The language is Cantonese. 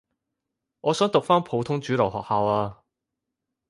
我想讀返普通主流學校呀